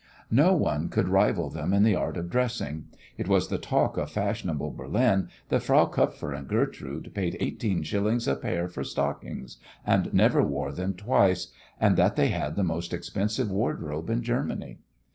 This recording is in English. No one could rival them in the art of dressing. It was the talk of fashionable Berlin that Frau Kupfer and Gertrude paid eighteen shillings a pair for stockings, and never wore them twice, and that they had the most expensive wardrobe in Germany.